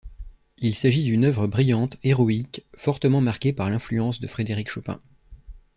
Il s'agit d'une œuvre brillante, héroïque, fortement marquée par l'influence de Frédéric Chopin.